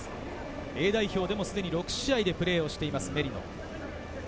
Ａ代表でもすでに６試合プレーしているメリノ。